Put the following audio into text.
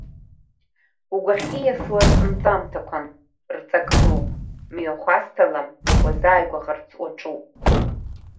Угәахьы ииасуаз анҵамҭақәан, рҵак ду, мҩахәасҭала уазааигәахарц уаҿуп.